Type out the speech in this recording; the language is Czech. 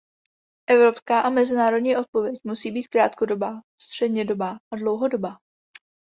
Evropská a mezinárodní odpověď musí být krátkodobá, střednědobá a dlouhodobá.